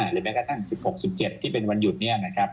หรือแม้กระทั่ง๑๖๑๗ที่เป็นวันหยุดเนี่ยนะครับ